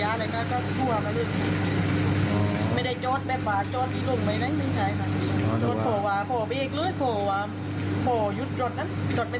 ถ้านั้นออกมาบอกว่านี่ค่ะถือให้การแบบนี้บอกไม่ได้มีสิ่งของอะไรผิดกฎมากไม่รู้เลย